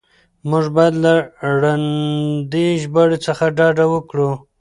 موږ بايد له ړندې ژباړې څخه ډډه وکړو.